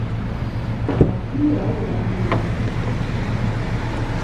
Và kɨŋ ghà a wul à ndo ?